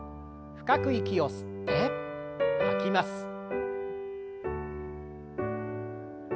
深く息を吸って吐きます。